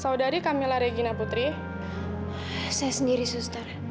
saudari camilla regina putri saya sendiri suster